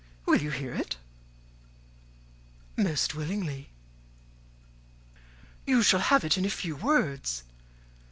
Will you hear it?" "Most willingly." "You shall have it in a few words.